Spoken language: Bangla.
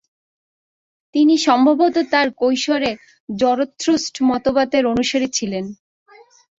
তিনি সম্ভবত তাঁর কৈশোরে জরথ্রুস্ট মতবাদের অনুসারী ছিলেন।